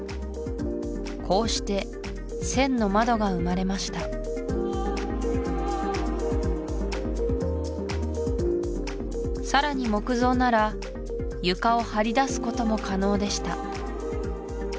こうして「千の窓」が生まれましたさらに木造なら床を張り出すことも可能でした